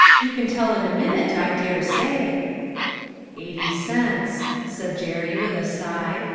You can tell in a minute, I dare say." " Eighty cents," said Jerry with a sigh.